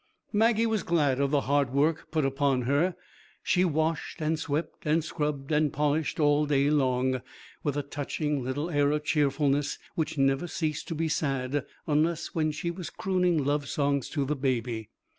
Maggie was glad of the hard work put upon her. She washed and swept and scrubbed and polished all day long, with a touching little air of cheerfulness which never ceased to be sad unless when she was crooning love songs to the baby.